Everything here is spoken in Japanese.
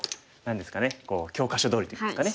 教科書どおりといいますかね。